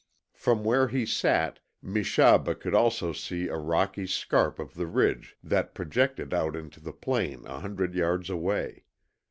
From where he sat Meshaba could also see a rocky scarp of the ridge that projected out into the plain a hundred yards away.